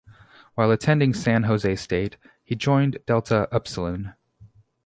While attending San Jose State he joined Delta Upsilon.